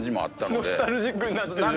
ノスタルジックになってる。